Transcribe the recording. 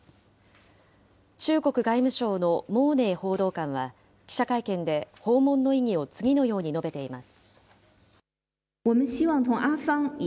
中国外務省の毛寧報道官は、記者会見で訪問の意義を次のように述べています。